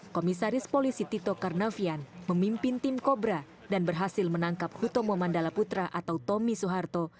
komisaris polisi tito karnavian memimpin tim kobra dan berhasil menangkap hutomo mandala putra atau tommy soeharto